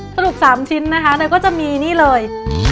สรุป๓ชิ้นนะคะเราก็จะมีนี่เลย